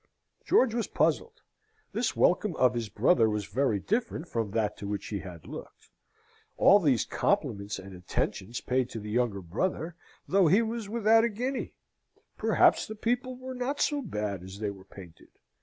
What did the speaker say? George was puzzled. This welcome of his brother was very different from that to which he had looked. All these compliments and attentions paid to the younger brother, though he was without a guinea! Perhaps the people were not so bad as they were painted?